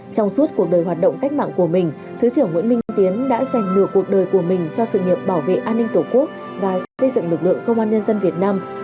trong suốt cuộc đời hoạt động cách mạng của mình thứ trưởng nguyễn minh tiến đã giành nửa cuộc đời của mình cho sự nghiệp bảo vệ an ninh tổ quốc và xây dựng lực lượng công an nhân dân việt nam